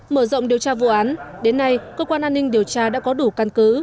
mở rộng điều tra vụ án đến nay cơ quan an ninh điều tra đã có đủ căn cứ